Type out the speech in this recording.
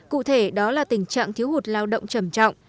cụ thể đó là tình trạng thiếu hụt lao động trầm trọng